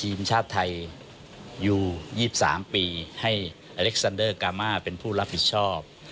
ทีมชาติไทยอยู่๒๓ปีให้อเล็กซันเดอร์กามาเป็นผู้รับผิดชอบ